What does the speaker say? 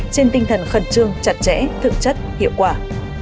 trên tinh thần khẩn trương chặt chẽ thực chất hiệu quả